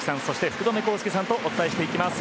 福留孝介さんとお伝えしていきます。